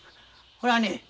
これはね